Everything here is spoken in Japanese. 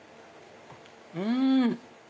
うん！